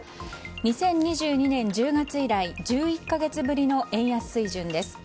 ２０２２年１０月以来１１か月ぶりの円安水準です。